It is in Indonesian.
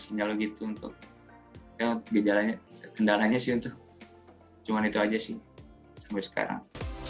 itu cuma itu aja sih sampai sekarang